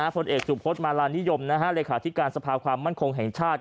ผลเอกสุพศมารานิยมเลขาธิการสภาความมั่นคงแห่งชาติ